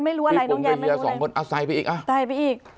ไม่รู้อะไรน้องแยมไม่รู้อะไรเอาใส่ไปอีกอ่ะใส่ไปอีก